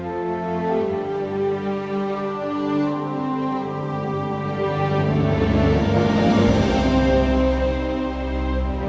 ขอบคุณทุกคน